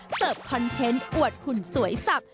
เสิร์ฟคอนเทนต์อวดหุ่นสวยสับ